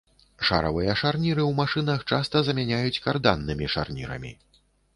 Шаравыя шарніры ў машынах часта замяняюць карданнымі шарнірамі.